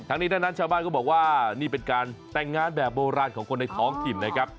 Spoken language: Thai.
นี้ทั้งนั้นชาวบ้านก็บอกว่านี่เป็นการแต่งงานแบบโบราณของคนในท้องถิ่นนะครับ